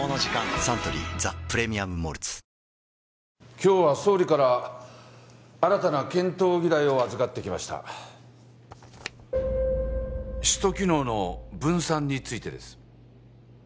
今日は総理から新たな検討議題を預かってきました首都機能の分散についてです